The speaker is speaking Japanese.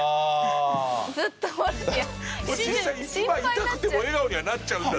痛くても笑顔にはなっちゃうんだ。